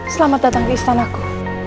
selamat datang di istanaku